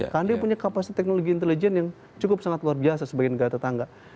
karena dia punya kapasitas teknologi intelijen yang cukup sangat luar biasa sebagai negara tetangga